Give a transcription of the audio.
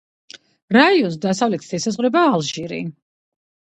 რაიონს დასავლეთით ესაზღვრება ალჟირი.